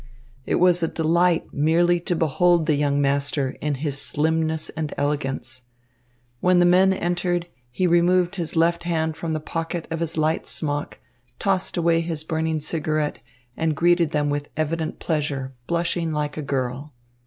It was a delight merely to behold the young master in his slimness and elegance. When the men entered, he removed his left hand from the pocket of his light smock, tossed away his burning cigarette, and greeted them with evident pleasure, blushing like a girl.